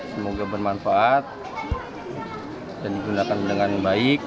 semoga bermanfaat dan digunakan dengan baik